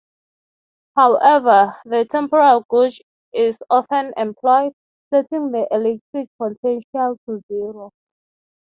However, the temporal gauge is often employed, setting the electric potential to zero.